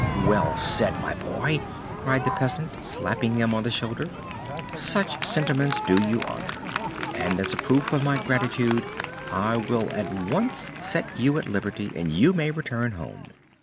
"Well said, my boy!" cried the peasant, slapping him on the shoulder. "Such sentiments do you honor; and as a proof of my gratitude I will at once set you at liberty, and you may return home."